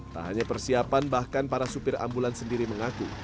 tak hanya persiapan bahkan para supir ambulans sendiri mengaku